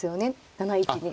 ７一には。